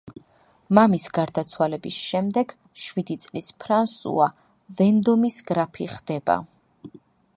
მამის გარდაცვალების შემდეგ, შვიდი წლის ფრანსუა ვენდომის გრაფი ხდება.